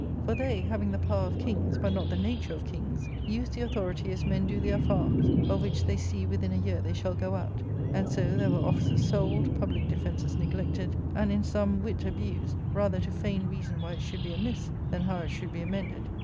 For they, having the power of Jcings, but not the nature of kings, use the authority as men do their farms, of which they see within a year they shall go out ; and so there were offices ^ sold, public defences neglected, and, in sum, wit abused, rather to feign reason why it should be amiss, than how it should be amended.